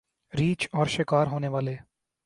ریچھ اور شکار ہونے والے